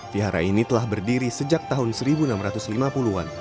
vihara ini telah berdiri sejak tahun seribu enam ratus lima puluh an